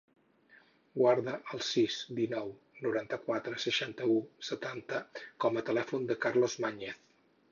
Guarda el sis, dinou, noranta-quatre, seixanta-u, setanta com a telèfon del Carlos Mañez.